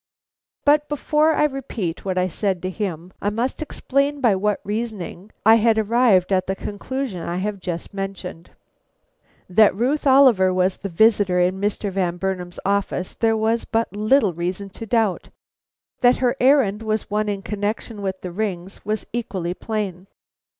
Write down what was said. But before I repeat what I said to him, I must explain by what reasoning I had arrived at the conclusion I have just mentioned. That Ruth Oliver was the visitor in Mr. Van Burnam's office there was but little reason to doubt; that her errand was one in connection with the rings was equally plain.